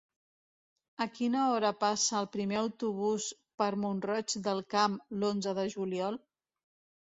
A quina hora passa el primer autobús per Mont-roig del Camp l'onze de juliol?